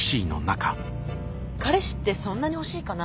彼氏ってそんなに欲しいかな？